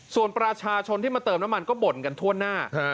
ส่วนประชาชนที่มาเติมน้ำมันก็บ่นกันทั่วหน้า